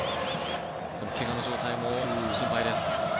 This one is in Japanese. そのけがの状態も心配です。